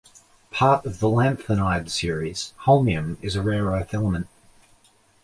Part of the lanthanide series, holmium is a rare earth element.